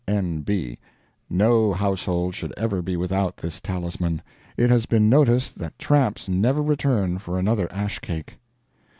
N.B. No household should ever be without this talisman. It has been noticed that tramps never return for another ash cake.